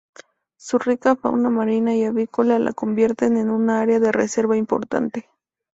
Su rica fauna marina y avícola la convierten en un área de reserva importante.